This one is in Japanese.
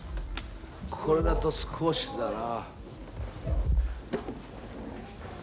これだと少しだな。